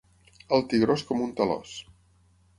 Alt i gros com un talòs.